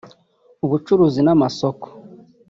ubucuruzi n’amasoko